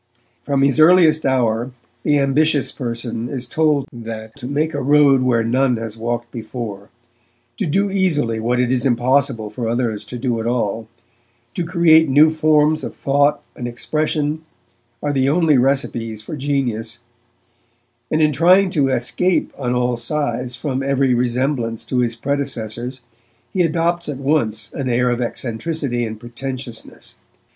From his earliest hour, the ambitious person is told that to make a road where none has walked before, to do easily what it is impossible for others to do at all, to create new forms of thought and expression, are the only recipes for genius; and in trying to escape on all sides from every resemblance to his predecessors, he adopts at once an air of eccentricity and pretentiousness.